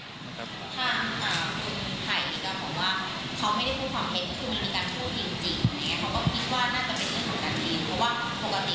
ถามอ่าคุณภัยดีกับผมว่าเขาไม่ได้พูดความเห็น